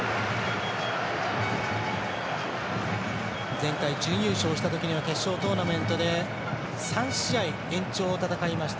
前回、準優勝したとき決勝トーナメントで３試合延長を戦いました。